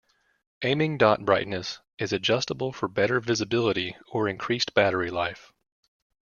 Aiming dot brightness is adjustable for better visibility or increased battery life.